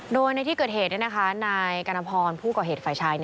โดยในที่เกิดเหตุนายกรณพรผู้ก่อเหตุฝ่ายชาย